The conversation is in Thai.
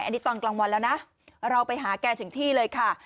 อันนี้ตอนกลางวันแล้วนะเราไปหาแกถึงที่เลยค่ะ